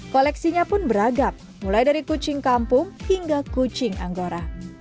koleksinya pun beragam mulai dari kucing kampung hingga kucing anggora